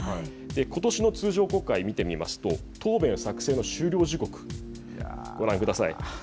ことしの通常国会を見てみますと答弁作成の終了時刻ご覧ください。